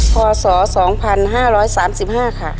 พอสอ๒๕๓๕ค่ะ